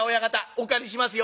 お借りしますよ」。